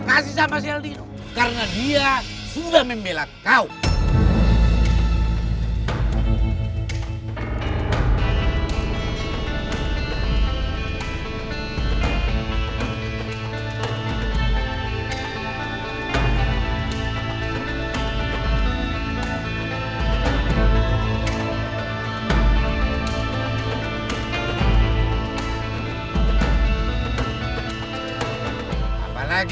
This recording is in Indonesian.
tapi besok jangan pakai itu lagi